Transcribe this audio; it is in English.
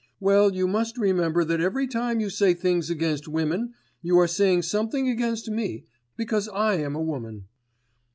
"Well you must remember that every time you say things against women you are saying something against me, because I am a woman."